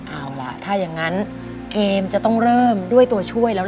เอาล่ะถ้าอย่างนั้นเกมจะต้องเริ่มด้วยตัวช่วยแล้ว